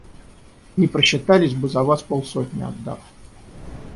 Не просчитались бы, за вас полсотни отдав.